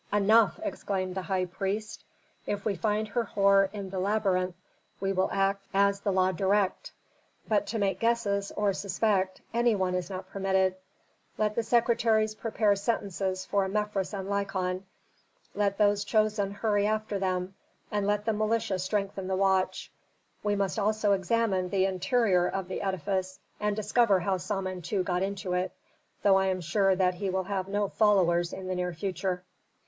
"Enough!" exclaimed the high priest. "If we find Herhor in the labyrinth we will act as the law directs. But to make guesses, or suspect, any one is not permitted. Let the secretaries prepare sentences for Mefres and Lykon. Let those chosen hurry after them, and let the militia strengthen the watch. We must also examine the interior of the edifice and discover how Samentu got into it, though I am sure that he will have no followers in the near future."